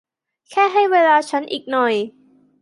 แค่ให้เวลาฉันอีกหน่อย